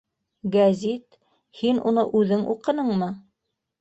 — Гәзит... һин уны үҙең уҡыныңмы?